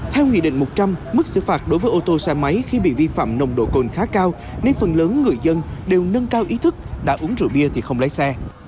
theo nghị định một trăm linh mức xử phạt đối với ô tô xe máy khi bị vi phạm nồng độ cồn khá cao nên phần lớn người dân đều nâng cao ý thức đã uống rượu bia thì không lái xe